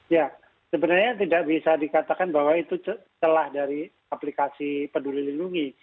ya sebenarnya tidak bisa dikatakan bahwa itu celah dari aplikasi peduli lindungi